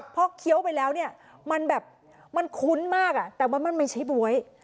เพราะเคี้ยวไปแล้วมันคุ้นมากแต่มันไม่ใช่บ๊วย